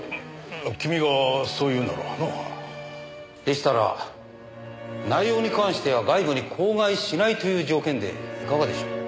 でしたら内容に関しては外部に口外しないという条件でいかがでしょう。